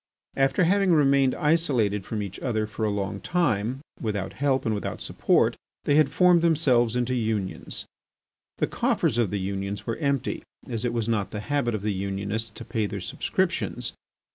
After having remained isolated from each other for a long time, without help and without support, they had formed themselves into unions. The coffers of the unions were empty, as it was not the habit of the unionists to pay their subscriptions.